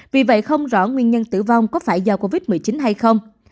vì vậy không rõ nguyên nhân tử vong có phải do covid một mươi chín hay không